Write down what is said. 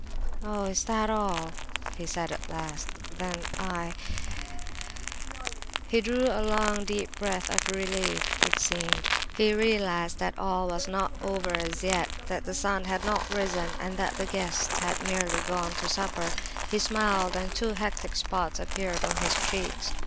"Oh, is that all?" he said at last. "Then I—" He drew a long, deep breath of relief, as it seemed. He realized that all was not over as yet, that the sun had not risen, and that the guests had merely gone to supper. He smiled, and two hectic spots appeared on his cheeks.